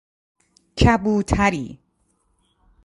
کبوتری